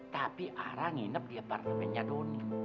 tapi arang nginep di apartemennya doni